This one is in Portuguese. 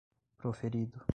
proferido